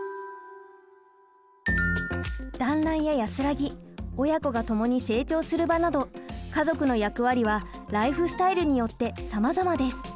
団らんや安らぎ親子が共に成長する場など家族の役割はライフスタイルによってさまざまです。